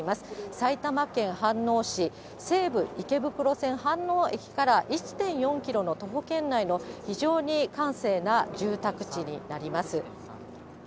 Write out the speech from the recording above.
埼玉県飯能市、西武池袋線飯能駅から１．４キロの徒歩圏内の非常に閑静な住宅地になります。